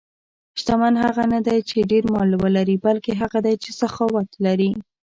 شتمن هغه نه دی چې ډېر مال ولري، بلکې هغه دی چې سخاوت لري.